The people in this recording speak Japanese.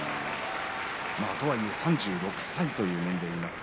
とはいえ３６歳という年齢になって。